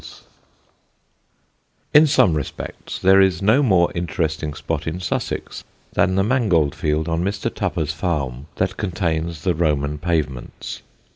[Sidenote: A ROMAN VILLA] In some respects there is no more interesting spot in Sussex than the mangold field on Mr. Tupper's farm that contains the Roman pavements.